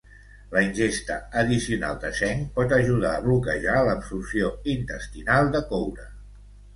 La ingesta addicional de zinc pot ajudar a bloquejar l'absorció intestinal de coure.